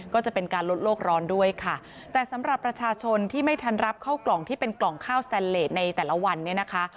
ก็จะเป็นการลดโลกร้อนด้วยค่ะแต่สำหรับประชาชนที่ไม่ทันรับเข้ากล่องที่เป็นกล่องข้าวสแตนเลสในแต่ละวันเนี่ยนะคะ